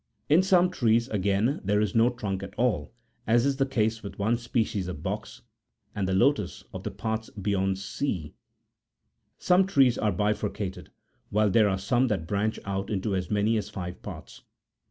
in some tree= again, there is no trunk at all, as is tne case wuu one species of box," and the lotus™ of the parts beyond sea Some toes are bifurcated, while there are some that branch ouTfiT o as many as five parts.